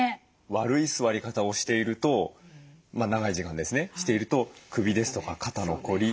悪い座り方をしていると長い時間ですねしていると首ですとか肩の凝り